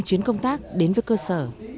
hơn chín trăm linh chuyến công tác đến với cơ sở